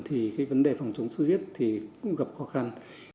thì cái vấn đề phòng chống xuất huyết thì cũng gặp khó khăn